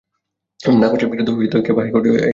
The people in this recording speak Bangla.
নাকচের বিরুদ্ধে ক্যাব হাইকোর্টে একটি রিট আবেদন করে।